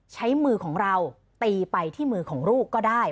ใช้มือของเราตีไปที่มือของลูกก็ได้